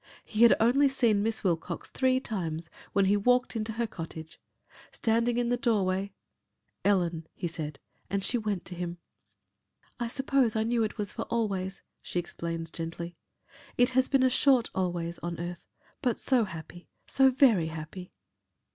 He had only seen Miss Wilcox three times when he walked into her cottage. Standing in the doorway "Ellen," he said, and she went to him "I suppose I knew it was for always," she explains gently. "It has been a short always on earth but so happy, so very happy."